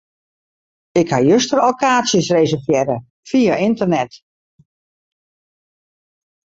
Ik ha juster al kaartsjes reservearre fia ynternet.